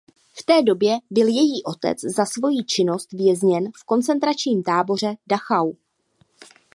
V té době byl její otec za svoji činnost vězněn v koncentračním táboře Dachau.